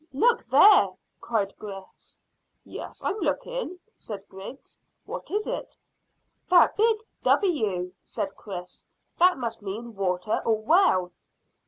"Look there," cried Chris. "Yes, I'm looking," said Griggs. "What is it?" "That big W," said Chris. "That must mean water or well."